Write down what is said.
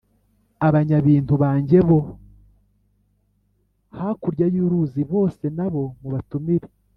Abanyabintu banjye bo hakurya y’ uruzi bose nabo mubatumire